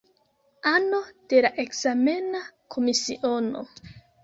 Ano de la ekzamena komisiono.